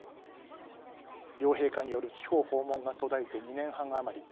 両陛下による地方訪問が途絶えて２年半余り。